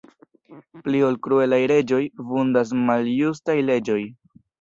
Pli ol kruelaj reĝoj, vundas maljustaj leĝoj.